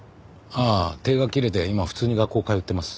ああ停学切れて今普通に学校通ってます。